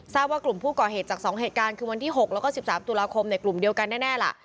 ทราบว่ากลุ่มผู้ก่อเหตุจาก๒เหตุการณ์คือวันที่๖แล้วก็๑๓ตุลาคมกลุ่มเดียวกันแน่ล่ะ